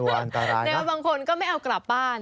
บางคนก็ไม่เอากลับบ้าน